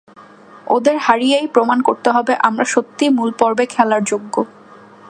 ওদের হারিয়েই প্রমাণ করতে হবে আমরা সত্যিই মূল পর্বে খেলার যোগ্য।